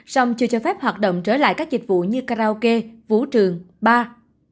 song chưa cho phép hoạt động trở lại các dịch vụ như karaoke vũ trường ba